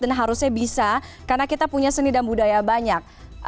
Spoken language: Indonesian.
dan harusnya bisa karena kita punya seni dan budaya banyak